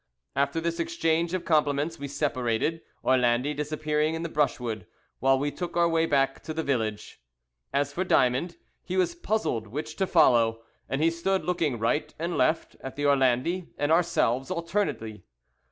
After this exchange of compliments we separated, Orlandi disappearing in the brushwood, while we took our way back to the village. As for Diamond, he was puzzled which to follow, and he stood looking right and left at the Orlandi and ourselves alternately.